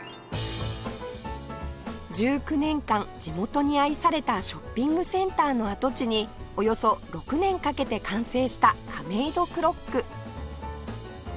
１９年間地元に愛されたショッピングセンターの跡地におよそ６年かけて完成したカメイドクロック